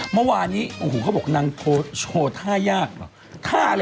เมื่อวานนี้โอ้โหเขาบอกนางโชว์ท่ายากเหรอ